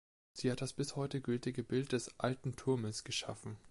Sie hat das bis heute gültige Bild des „Alten Turmes“ geschaffen.